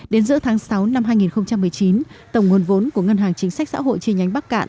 đến giữa tháng sáu năm hai nghìn một mươi chín tổng nguồn vốn của ngân hàng chính sách xã hội chi nhánh bắc cạn